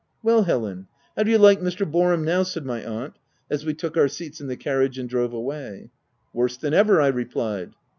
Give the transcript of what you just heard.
" Well, Helen, how do you like Mr. Boarham now ?" said my aunt, as we took our seats in the carriage and drove away. " Worse than ever," I replied.